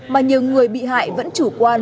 mà nhiều người bị hại vẫn chủ quan